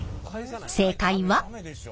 正解は？